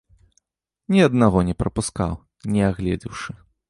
Ні аднаго не прапускаў, не агледзеўшы.